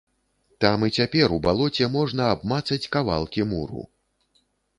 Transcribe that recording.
Там і цяпер у балоце можна абмацаць кавалкі муру.